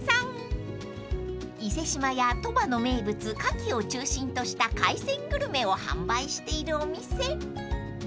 ［伊勢志摩や鳥羽の名物カキを中心とした海鮮グルメを販売しているお店］